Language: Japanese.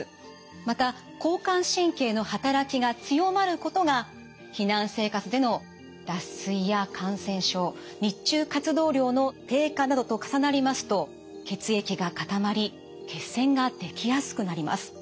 また交感神経の働きが強まることが避難生活での脱水や感染症日中活動量の低下などと重なりますと血液が固まり血栓ができやすくなります。